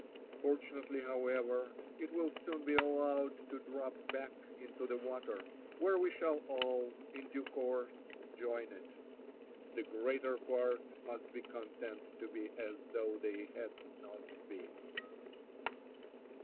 Fortunately, however, it will soon be allowed to drop back into the water, where we shall all, in due course, join it. " The greater part must be content to be as though they had not been."